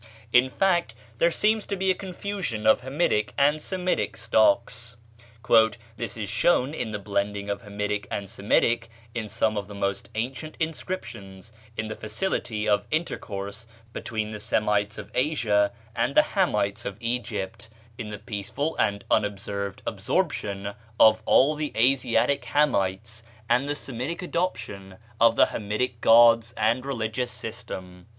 In fact, there seems to be a confusion of Hamitic and Semitic stocks. "This is shown in the blending of Hamitic and Semitic in some of the most ancient inscriptions; in the facility of intercourse between the Semites of Asia and the Hamites of Egypt; in the peaceful and unobserved absorption of all the Asiatic Hamites, and the Semitic adoption of the Hamitic gods and religious system.